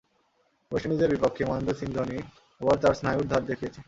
West ইন্ডিজের বিপক্ষে মহেন্দ্র সিং ধোনি আবার তার স্নায়ুর ধার দেখিয়েছে।